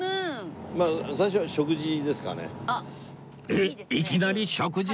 えっいきなり食事？